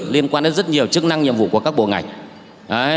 liên quan đến rất nhiều chức năng nhiệm vụ của các bộ ngành